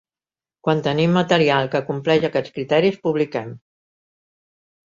Quan tenim material que compleix aquests criteris, publiquem.